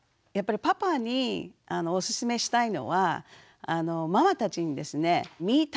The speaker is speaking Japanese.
やっぱりパパにおすすめしたいのはママたちにですね